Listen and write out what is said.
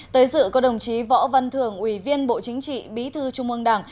tới dự có đồng chí võ văn thường ủy viên bộ chính trị bí thư trung ương đảng